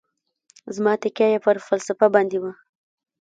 زیاته تکیه یې پر فلسفه باندې وي.